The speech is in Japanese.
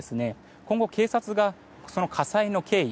今後、警察がその火災の経緯